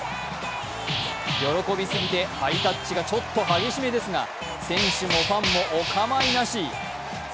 喜び過ぎてハイタッチがちょっと激しめですが選手もファンもお構いなし。